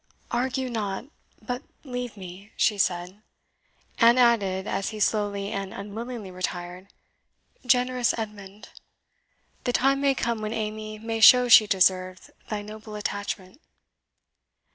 "Argue not, but leave me," she said; and added, as he slowly and unwillingly retired, "Generous Edmund! the time may come when Amy may show she deserved thy noble attachment."